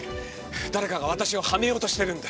誰かが私をはめようとしてるんだ。